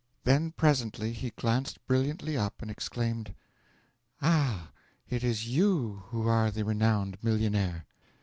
Then presently he glanced brilliantly up and exclaimed: '"Ah, it is you who are the renowned millionaire!"